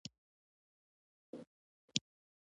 تاسو کله وروستی ځل ډاکټر ته تللي وئ؟